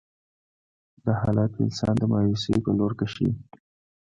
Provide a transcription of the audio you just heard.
دا حالات انسان د مايوسي په لور کشوي.